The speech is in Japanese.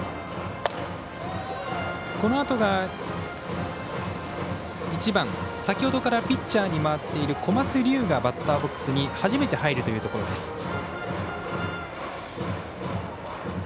このあとが１番、先ほどからピッチャーに回っている小松龍生がバッターボックスに初めて入るというところです。